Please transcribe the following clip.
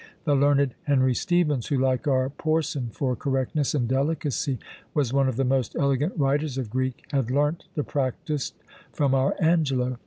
The learned Henry Stephens, who, like our Porson for correctness and delicacy, was one of the most elegant writers of Greek, had learnt the practice from our Angelo.